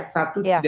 satu tidak iya